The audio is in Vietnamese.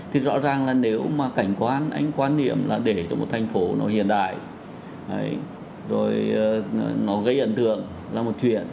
thì rõ ràng là nếu mà cảnh quan anh quan niệm là để cho một thành phố nó hiện đại rồi nó gây hiện tượng là một chuyện